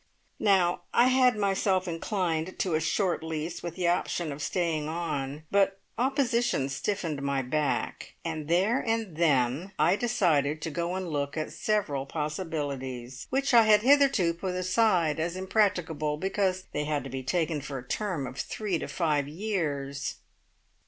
Now I had myself inclined to a short lease with the option of staying on, but opposition stiffened my back, and I there and then decided to go and look at several possibilities which I had hitherto put aside as impracticable because they had to be taken for a term of three to five years.